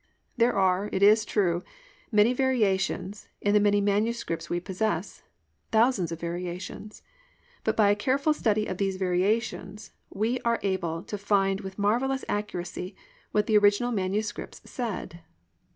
There are, it is true, many variations in the many manuscripts we possess, thousands of variations, but by a careful study of these very variations, we are able to find with marvellous accuracy what the original manuscripts said.